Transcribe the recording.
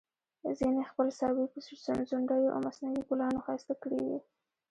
ځینې خپل څاروي په ځونډیو او مصنوعي ګلانو ښایسته کړي وي.